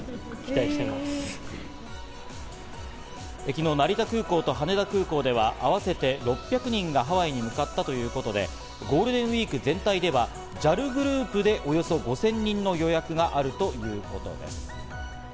昨日、成田空港と羽田空港では合わせて６００人がハワイに向かったということで、ゴールデンウイーク全体ではＪＡＬグループでおよそ５０００人の予約があるということです。